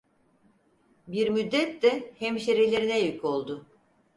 Bir müddet de hemşerilerine yük oldu.